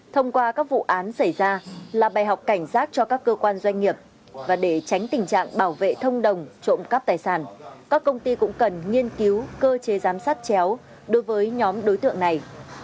thông qua các vụ án xảy ra là bài học cảnh giác cho các cơ quan doanh nghiệp và để tránh tình trạng bảo vệ thông đồng trộm cắp tài sản các công ty cũng cần nghiên cứu cơ chế giám sát chéo đối với nhóm đối tượng này